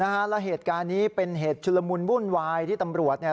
แล้วเหตุการณ์นี้เป็นเหตุชุลมุนวุ่นวายที่ตำรวจเนี่ย